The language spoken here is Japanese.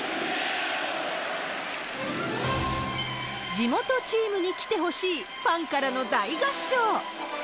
地元チームに来てほしい、ファンからの大合唱。